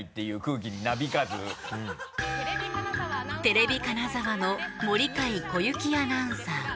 テレビ金沢の森開こゆきアナウンサー